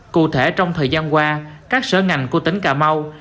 cụ thể trong thời gian qua các sở ngành của tỉnh cà mau